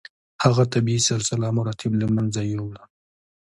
هغه طبیعي سلسله مراتب له منځه یووړه.